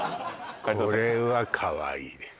これはかわいいです